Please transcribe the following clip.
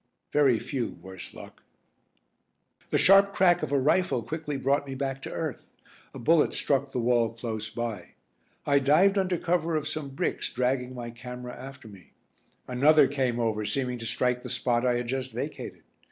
Very few, worse luck! The sharp crack of a rifle quickly brought me back to earth. A bullet struck the wall close by. I dived under cover of some bricks dragging my camera after me. Another came over seeming to strike the spot I had just vacated.